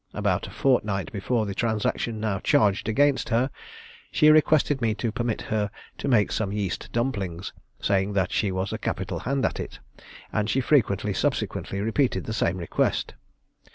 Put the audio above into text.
About a fortnight before the transaction now charged against her, she requested me to permit her to make some yeast dumplings, saying that she was a capital hand at it; and she frequently subsequently repeated the same request.